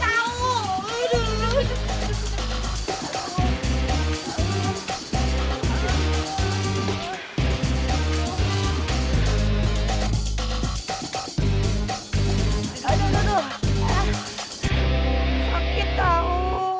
aduh sakit tau